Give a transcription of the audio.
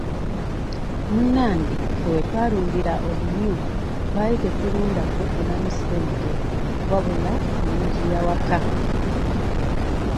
Munnange ffe we twalundira obumyu twali tetulunda kubufunamu ssente wabula kulungiya waka.